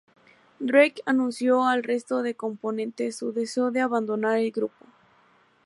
Drake anunció al resto de componentes su deseo de abandonar el grupo.